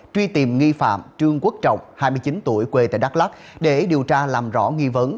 truy tìm nghi phạm trương quốc trọng hai mươi chín tuổi quê tại đắk lắc để điều tra làm rõ nghi vấn